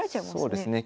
そうですね。